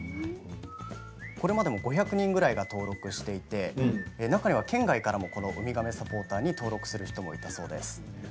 これまでも５００人ぐらいが登録していて中には県外からウミガメサポーターに登録する人もいるそうです。